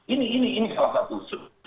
ini salah satu